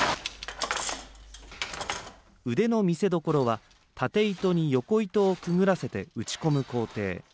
腕の見せどころは縦糸に横糸をくぐらせて打ち込む工程。